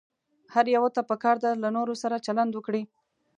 هر يوه ته پکار ده له نورو سره چلند وکړي.